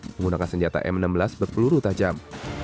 menggunakan senjata m enam belas berpeluru tajam